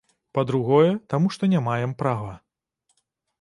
Па-другое, таму што не маем права.